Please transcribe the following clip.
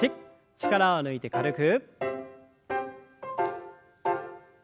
力を抜いて軽く。